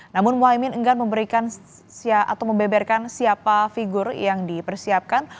namun muhaymin enggan memberikan atau membeberkan siapa figur yang dipersiapkan